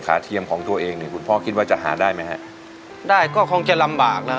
กาซื้อแต่เงินมีมั้ย